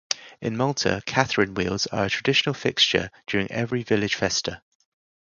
In Malta, Catherine wheels are a traditional fixture during every village 'festa'.